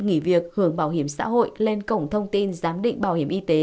nghỉ việc hưởng bảo hiểm xã hội lên cổng thông tin giám định bảo hiểm y tế